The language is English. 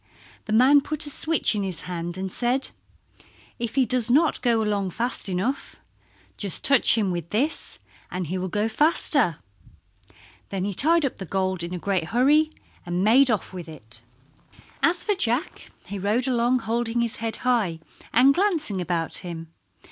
The man put a switch in his hand and said, "If he does not go along fast enough just touch him with this and he will go faster." Then he tied up the gold in a great hurry, and made off with it. As for Jack he rode along holding his head high and glancing about him.